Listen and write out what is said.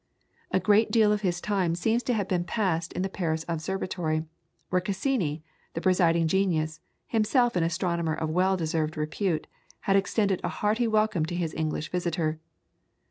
A great deal of his time seems to have been passed in the Paris observatory, where Cassini, the presiding genius, himself an astronomer of well deserved repute, had extended a hearty welcome to his English visitor.